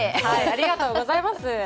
ありがとうございます。